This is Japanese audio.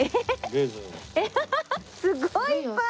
すごいいっぱい！